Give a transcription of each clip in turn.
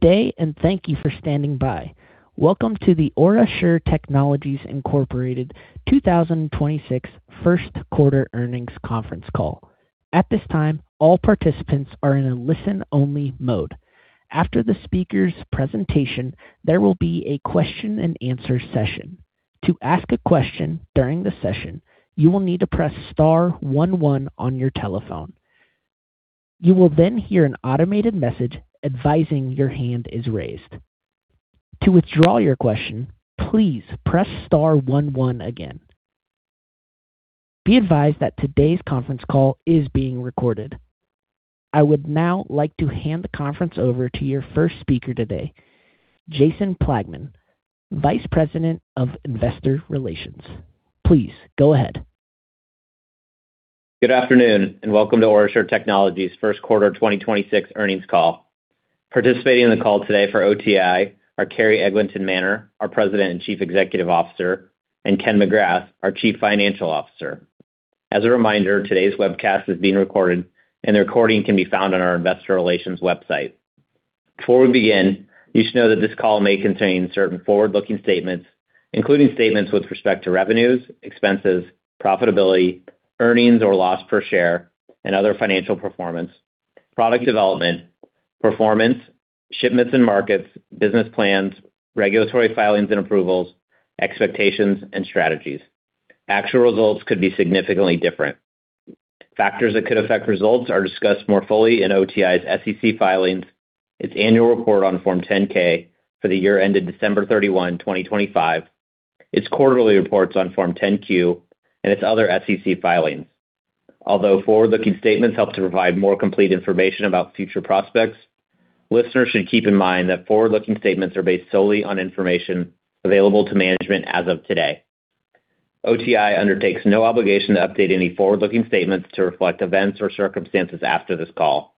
Day, thank you for standing by. Welcome to the OraSure Technologies, Inc. 2026 first quarter earnings conference call. At this time, all participants are in a listen-only mode. After the speaker's presentation, there will be a question and answer session. To ask a question during the session, you will need to press star one one on your telephone. You will hear an automated message advising your hand is raised. To withdraw your question, please press star one one again. Be advised that today's conference call is being recorded. I would now like to hand the conference over to your first speaker today, Jason Plagman, Vice President of Investor Relations. Please go ahead. Good afternoon, and welcome to OraSure Technologies' first quarter 2026 earnings call. Participating in the call today for OTI are Carrie Eglinton Manner, our President and Chief Executive Officer, and Ken McGrath, our Chief Financial Officer. As a reminder, today's webcast being recorded, and the recording can be found on our investor relations website. Before we begin, you should know that this call may contain certain forward-looking statements, including statements with respect to revenues, expenses, profitability, earnings or loss per share, and other financial performance, product development, performance, shipments and markets, business plans, regulatory filings and approvals, expectations and strategies. Actual results could be significantly different. Factors that could affect results are discussed more fully in OTI's SEC filings, its annual report on Form 10-K for the year ended December 31, 2025, its quarterly reports on Form 10-Q, and its other SEC filings. Although forward-looking statements help to provide more complete information about future prospects, listeners should keep in mind that forward-looking statements are based solely on information available to management as of today. OTI undertakes no obligation to update any forward-looking statements to reflect events or circumstances after this call.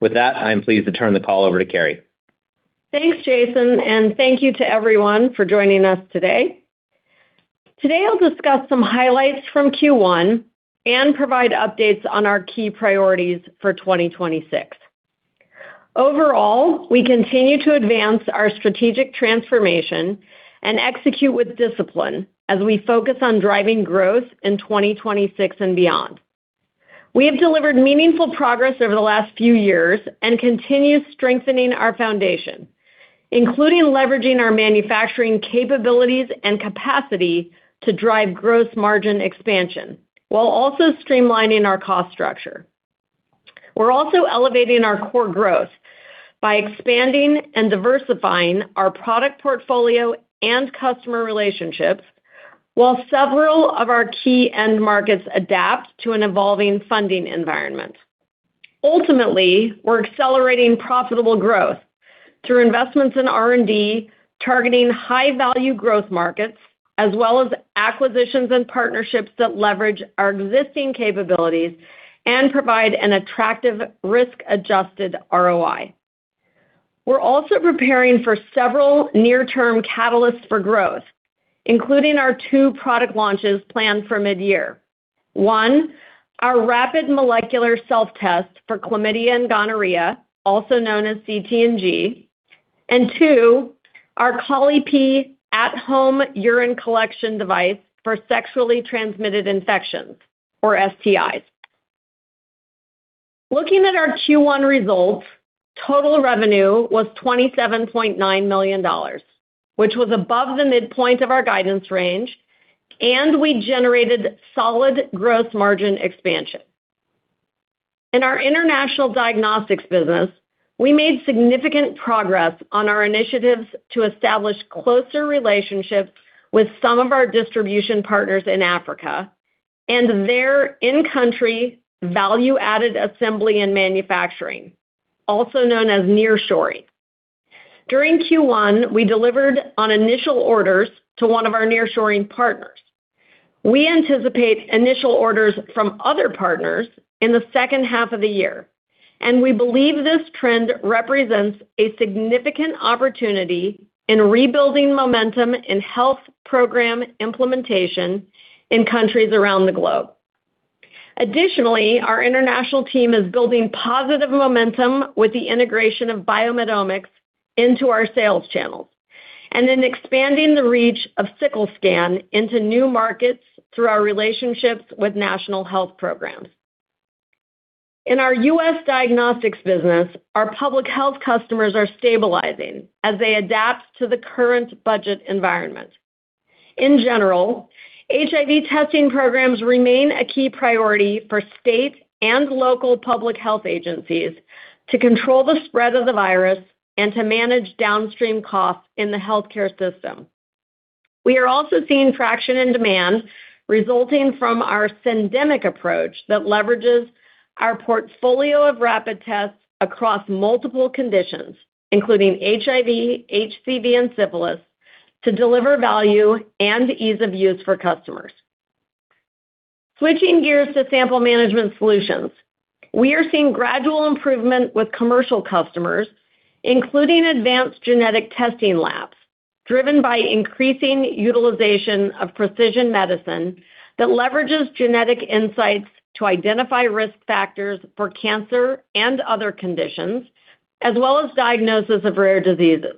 With that, I am pleased to turn the call over to Carrie. Thanks, Jason, and thank you to everyone for joining us today. Today, I'll discuss some highlights from Q1 and provide updates on our key priorities for 2026. Overall, we continue to advance our strategic transformation and execute with discipline as we focus on driving growth in 2026 and beyond. We have delivered meaningful progress over the last few years and continue strengthening our foundation, including leveraging our manufacturing capabilities and capacity to drive gross margin expansion while also streamlining our cost structure. We're also elevating our core growth by expanding and diversifying our product portfolio and customer relationships while several of our key end markets adapt to an evolving funding environment. Ultimately, we're accelerating profitable growth through investments in R&D, targeting high-value growth markets, as well as acquisitions and partnerships that leverage our existing capabilities and provide an attractive risk-adjusted ROI. We're also preparing for several near-term catalysts for growth, including our two product launches planned for mid-year. One, our rapid molecular self-test for chlamydia and gonorrhea, also known as CT/NG, and two, our Colli-Pee at-home urine collection device for sexually transmitted infections or STIs. Looking at our Q1 results, total revenue was $27.9 million, which was above the midpoint of our guidance range. We generated solid gross margin expansion. In our international diagnostics business, we made significant progress on our initiatives to establish closer relationships with some of our distribution partners in Africa and their in-country value-added assembly and manufacturing, also known as nearshoring. During Q1, we delivered on initial orders to one of our nearshoring partners. We anticipate initial orders from other partners in the second half of the year, and we believe this trend represents a significant opportunity in rebuilding momentum in health program implementation in countries around the globe. Additionally, our international team is building positive momentum with the integration of BioMedomics into our sales channels and then expanding the reach of Sickle SCAN into new markets through our relationships with national health programs. In our U.S. diagnostics business, our public health customers are stabilizing as they adapt to the current budget environment. In general, HIV testing programs remain a key priority for state and local public health agencies to control the spread of the virus and to manage downstream costs in the healthcare system. We are also seeing traction and demand resulting from our syndemic approach that leverages our portfolio of rapid tests across multiple conditions, including HIV, HCV, and syphilis, to deliver value and ease of use for customers. Switching gears to sample management solutions. We are seeing gradual improvement with commercial customers, including advanced genetic testing labs driven by increasing utilization of precision medicine that leverages genetic insights to identify risk factors for cancer and other conditions, as well as diagnosis of rare diseases.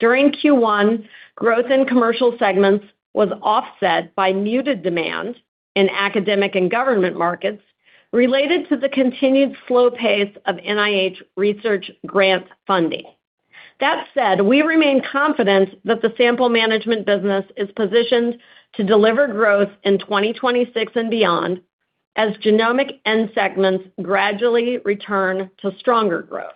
During Q1, growth in commercial segments was offset by muted demand in academic and government markets related to the continued slow pace of NIH research grant funding. That said, we remain confident that the sample management business is positioned to deliver growth in 2026 and beyond as genomic end segments gradually return to stronger growth.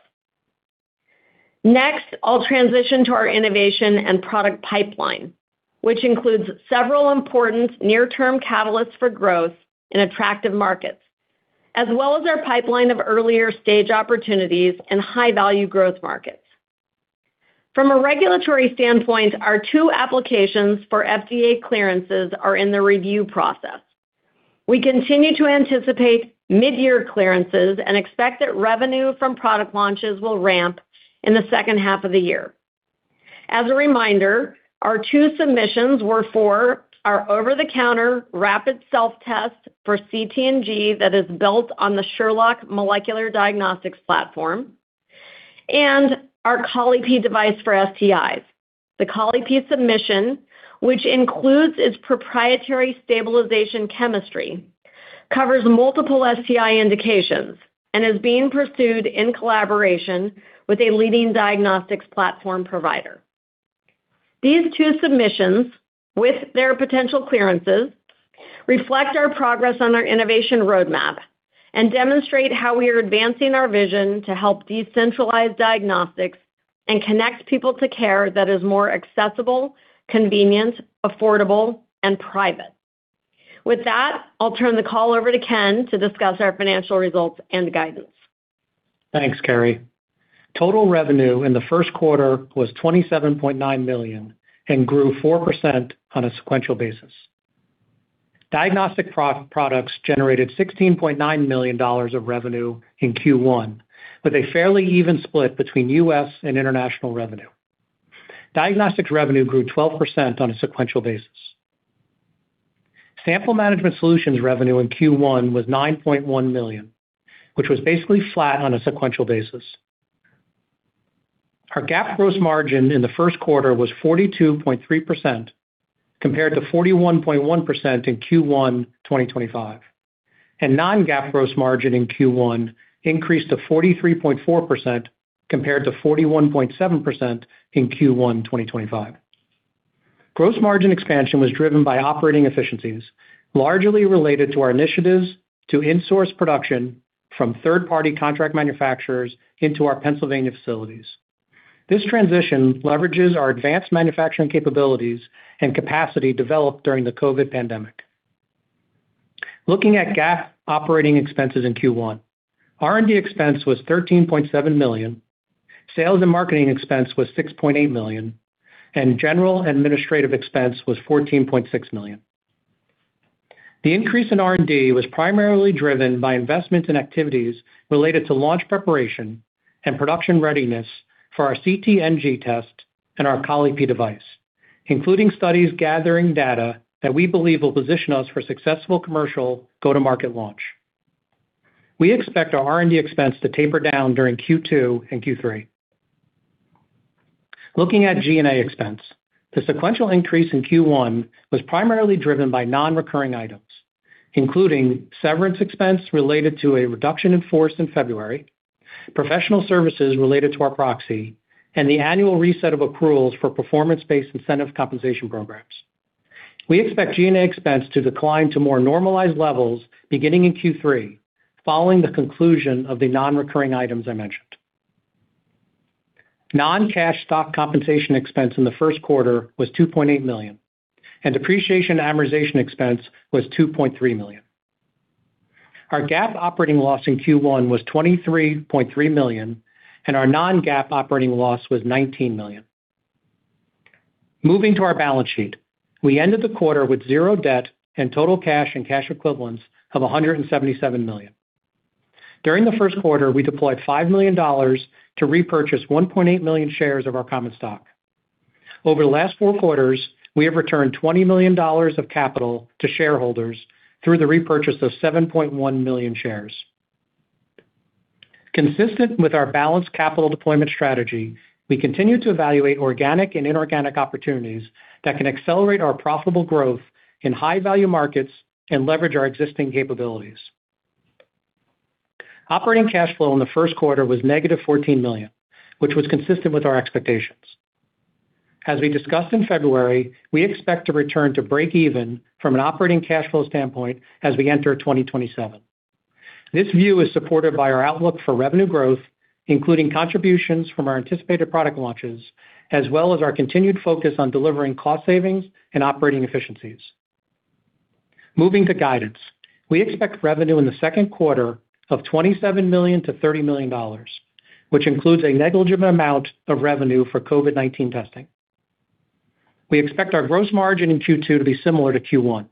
Next, I'll transition to our innovation and product pipeline, which includes several important near-term catalysts for growth in attractive markets, as well as our pipeline of earlier-stage opportunities and high-value growth markets. From a regulatory standpoint, our two applications for FDA clearances are in the review process. We continue to anticipate mid-year clearances and expect that revenue from product launches will ramp in the second half of the year. As a reminder, our two submissions were for our over-the-counter rapid self-test for CT/NG that is built on the Sherlock molecular diagnostics platform and our Colli-Pee device for STIs. The Colli-Pee submission, which includes its proprietary stabilization chemistry, covers multiple STI indications and is being pursued in collaboration with a leading diagnostics platform provider. These two submissions, with their potential clearances, reflect our progress on our innovation roadmap and demonstrate how we are advancing our vision to help decentralize diagnostics and connect people to care that is more accessible, convenient, affordable, and private. With that, I'll turn the call over to Ken to discuss our financial results and guidance. Thanks, Carrie. Total revenue in the first quarter was $27.9 million and grew 4% on a sequential basis. Diagnostic products generated $16.9 million of revenue in Q1, with a fairly even split between U.S. and international revenue. Diagnostics revenue grew 12% on a sequential basis. Sample management solutions revenue in Q1 was $9.1 million, which was basically flat on a sequential basis. Our GAAP gross margin in the first quarter was 42.3% compared to 41.1% in Q1 2025. Non-GAAP gross margin in Q1 increased to 43.4% compared to 41.7% in Q1 2025. Gross margin expansion was driven by operating efficiencies, largely related to our initiatives to insource production from third-party contract manufacturers into our Pennsylvania facilities. This transition leverages our advanced manufacturing capabilities and capacity developed during the COVID pandemic. Looking at GAAP operating expenses in Q1, R&D expense was $13.7 million, sales and marketing expense was $6.8 million, and general and administrative expense was $14.6 million. The increase in R&D was primarily driven by investments in activities related to launch preparation and production readiness for our CT/NG test and our Colli-Pee device, including studies gathering data that we believe will position us for successful commercial go-to-market launch. We expect our R&D expense to taper down during Q2 and Q3. Looking at G&A expense, the sequential increase in Q1 was primarily driven by non-recurring items, including severance expense related to a reduction in force in February, professional services related to our proxy, and the annual reset of accruals for performance-based incentive compensation programs. We expect G&A expense to decline to more normalized levels beginning in Q3, following the conclusion of the non-recurring items I mentioned. Non-cash stock compensation expense in the first quarter was $2.8 million, and depreciation amortization expense was $2.3 million. Our GAAP operating loss in Q1 was $23.3 million, and our non-GAAP operating loss was $19 million. Moving to our balance sheet, we ended the quarter with zero debt and total cash and cash equivalents of $177 million. During the first quarter, we deployed $5 million to repurchase 1.8 million shares of our common stock. Over the last four quarters, we have returned $20 million of capital to shareholders through the repurchase of 7.1 million shares. Consistent with our balanced capital deployment strategy, we continue to evaluate organic and inorganic opportunities that can accelerate our profitable growth in high-value markets and leverage our existing capabilities. Operating cash flow in the first quarter was -$14 million, which was consistent with our expectations. As we discussed in February, we expect to return to break even from an operating cash flow standpoint as we enter 2027. This view is supported by our outlook for revenue growth, including contributions from our anticipated product launches, as well as our continued focus on delivering cost savings and operating efficiencies. Moving to guidance, we expect revenue in the second quarter of $27 million-$30 million, which includes a negligible amount of revenue for COVID-19 testing. We expect our gross margin in Q2 to be similar to Q1.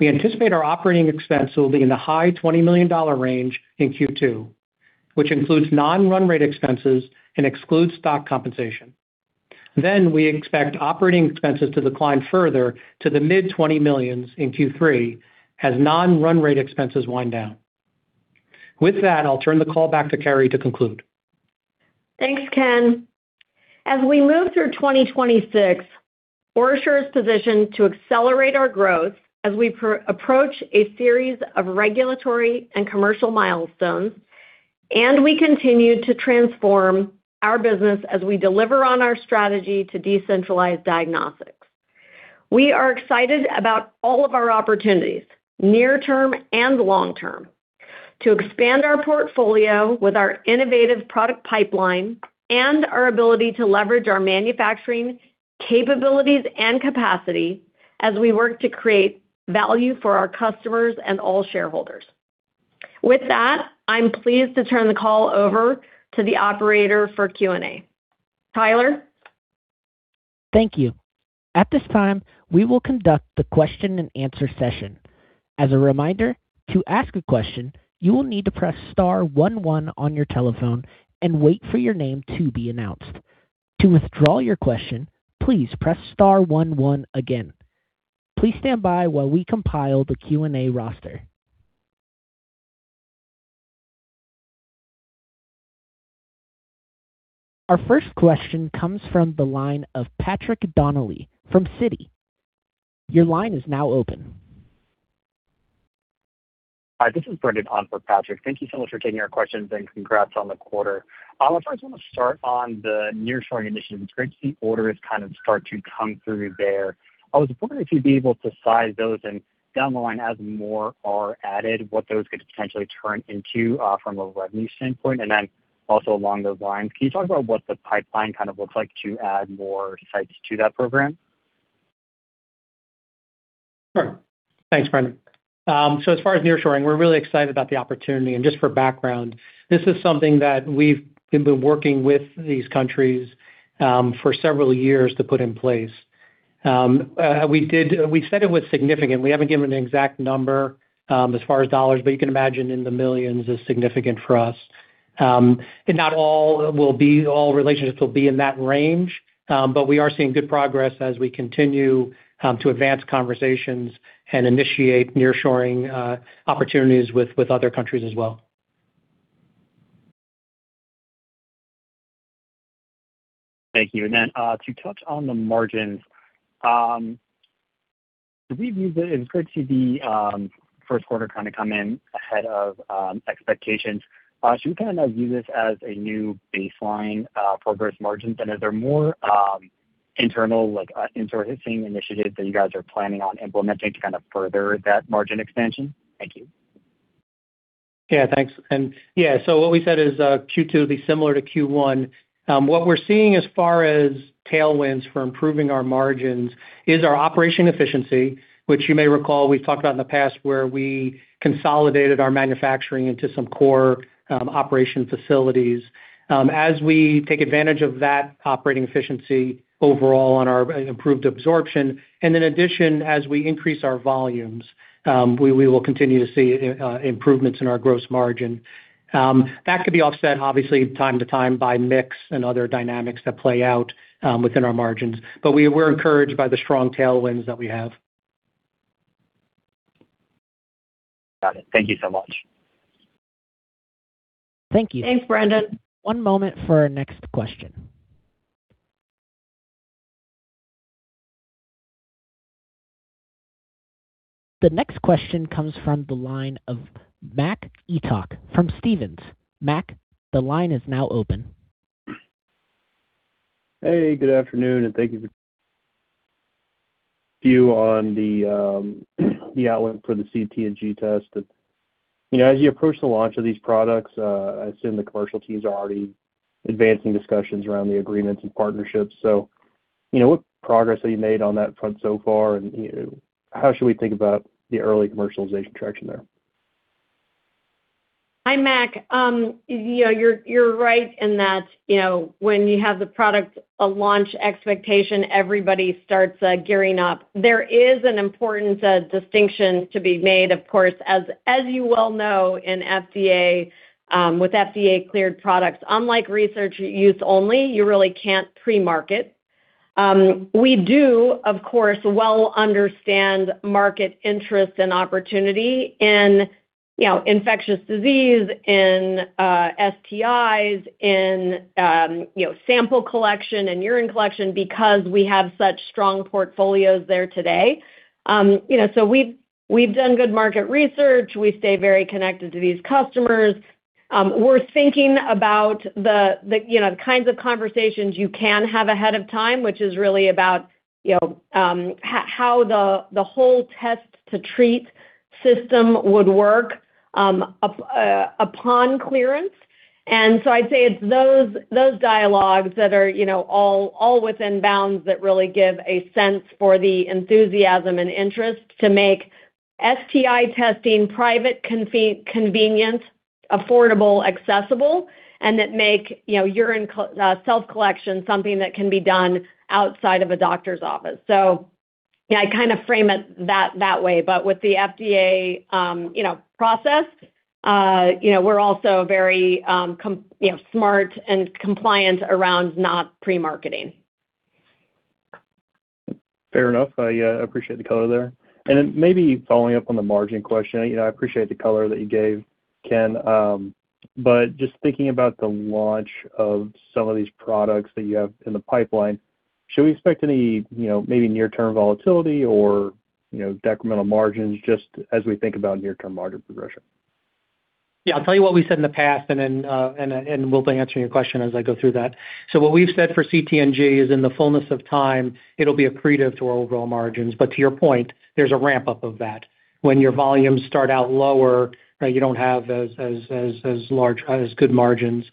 We anticipate our operating expense will be in the high $20 million range in Q2, which includes non-run rate expenses and excludes stock compensation. We expect operating expenses to decline further to the mid $20 millions in Q3 as non-run rate expenses wind down. With that, I'll turn the call back to Carrie to conclude. Thanks, Ken. As we move through 2026, OraSure is positioned to accelerate our growth as we approach a series of regulatory and commercial milestones. We continue to transform our business as we deliver on our strategy to decentralize diagnostics. We are excited about all of our opportunities, near term and long term, to expand our portfolio with our innovative product pipeline and our ability to leverage our manufacturing capabilities and capacity as we work to create value for our customers and all shareholders. With that, I'm pleased to turn the call over to the operator for Q&A. Tyler? Thank you. At this time, we will conduct the question-and-answer session. As a reminder, to ask a question, you will need to press star one one on your telephone and wait for your name to be announced. To withdraw your question, please press star one one again. Please stand by while we compile the Q&A roster. Our first question comes from the line of Patrick Donnelly from Citi. Your line is now open. Hi, this is Brendan on for Patrick. Thank you so much for taking our questions, and congrats on the quarter. I first want to start on the nearshoring initiatives. It's great to see orders kind of start to come through there. I was wondering if you'd be able to size those and down the line as more are added, what those could potentially turn into from a revenue standpoint. Along those lines, can you talk about what the pipeline kind of looks like to add more sites to that program? Sure. Thanks, Brendan. As far as nearshoring, we're really excited about the opportunity. Just for background, this is something that we've been working with these countries for several years to put in place. We said it was significant. We haven't given an exact number as far as dollars, but you can imagine in the millions is significant for us. Not all will be all relationships will be in that range, but we are seeing good progress as we continue to advance conversations and initiate nearshoring opportunities with other countries as well. Thank you. Then, to touch on the margins, it's great to see the first quarter kind of come in ahead of expectations. Should we kind of view this as a new baseline for gross margins? Are there more, internal, like, internal facing initiatives that you guys are planning on implementing to kind of further that margin expansion? Thank you. Yeah, thanks. What we said is, Q2 will be similar to Q1. What we're seeing as far as tailwinds for improving our margins is our operation efficiency, which you may recall we've talked about in the past, where we consolidated our manufacturing into some core operation facilities. As we take advantage of that operating efficiency overall on our improved absorption and in addition, as we increase our volumes, we will continue to see improvements in our gross margin. That could be offset obviously time to time by mix and other dynamics that play out within our margins. We're encouraged by the strong tailwinds that we have. Got it. Thank you so much. Thank you. Thanks, Brendan. One moment for our next question. The next question comes from the line of Mac Etoch from Stephens. Mac, the line is now open. Hey, good afternoon, and thank you for view on the outlook for the CT/NG test. You know, as you approach the launch of these products, I assume the commercial teams are already advancing discussions around the agreements and partnerships. You know, what progress have you made on that front so far, and, you know, how should we think about the early commercialization traction there? Hi, Mac. Yeah, you're right in that, you know, when you have the product, a launch expectation, everybody starts gearing up. There is an important distinction to be made, of course, as you well know, in FDA, with FDA-cleared products. Unlike research use only, you really can't pre-market. We do, of course, well understand market interest and opportunity in, you know, infectious disease, in STIs, in, you know, sample collection and urine collection because we have such strong portfolios there today. You know, we've done good market research. We stay very connected to these customers. We're thinking about the, you know, the kinds of conversations you can have ahead of time, which is really about, you know, how the whole test-to-treat system would work upon clearance. I'd say it's those dialogues that are, you know, all within bounds that really give a sense for the enthusiasm and interest to make STI testing private convenient, affordable, accessible, and that make, you know, urine self-collection something that can be done outside of a doctor's office. Yeah, I kind of frame it that way. With the FDA, you know, process, you know, we're also very, you know, smart and compliant around not pre-marketing. Fair enough. I appreciate the color there. Then maybe following up on the margin question. You know, I appreciate the color that you gave, Ken, but just thinking about the launch of some of these products that you have in the pipeline, should we expect any, you know, maybe near-term volatility or, you know, decremental margins just as we think about near-term margin progression? Yeah, I'll tell you what we said in the past and then we'll be answering your question as I go through that. What we've said for CT/NG is in the fullness of time, it'll be accretive to our overall margins. To your point, there's a ramp-up of that. When your volumes start out lower, right, you don't have as good margins.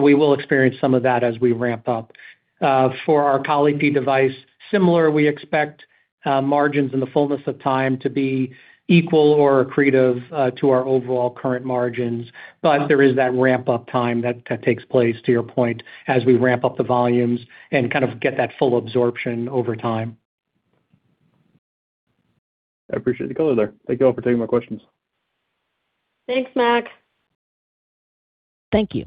We will experience some of that as we ramp up. For our Colli-Pee device, similar, we expect margins in the fullness of time to be equal or accretive to our overall current margins. There is that ramp-up time that takes place, to your point, as we ramp up the volumes and kind of get that full absorption over time. I appreciate the color there. Thank you all for taking my questions. Thanks, Mac. Thank you.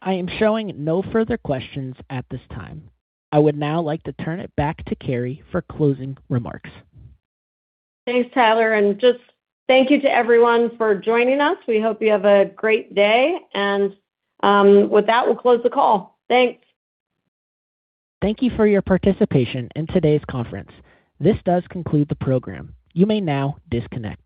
I am showing no further questions at this time. I would now like to turn it back to Carrie for closing remarks. Thanks, Tyler, and just thank you to everyone for joining us. We hope you have a great day. With that, we'll close the call. Thanks. Thank you for your participation in today's conference. This does conclude the program. You may now disconnect.